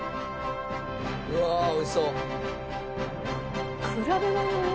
うわ美味しそう！